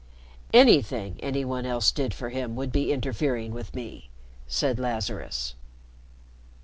"Anything any one else did for him would be interfering with me," said Lazarus.